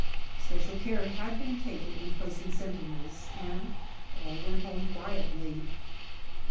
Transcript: Special care had been taken in placing sentinels, and all went home quietly.